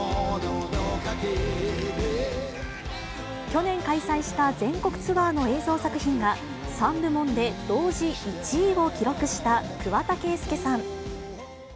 去年開催した全国ツアーの映像作品が、３部門で同時１位を記録した桑田佳祐さん。